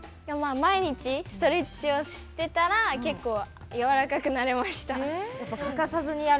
毎日ストレッチしてたら結構、やわらかくなれました。